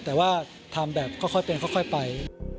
แต่ว่าทำแบบค่อยเป็นค่อยไป